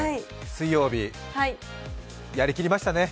水曜日、やりきりましたね。